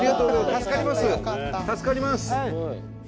助かります！